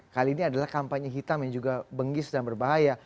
kali ini adalah kampanye hitam yang juga benggis dan berbahaya